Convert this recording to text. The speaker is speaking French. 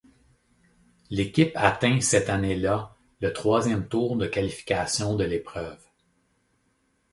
L'équipe atteint cette année-là le troisième tour de qualification de l'épreuve.